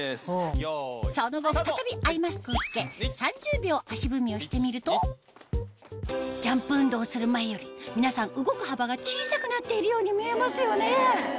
その後再びアイマスクを着け３０秒足踏みをしてみるとジャンプ運動する前より皆さん動く幅が小さくなっているように見えますよね？